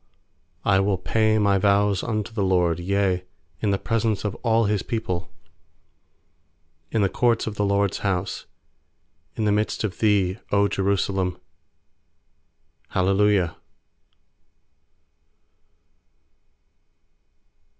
18I will pay my vows unto the LORD, Yea, in the presence of all His people; 19In the courts of the LORD'S house, In the midst of thee, 0 Jerusalem. Hallelujah.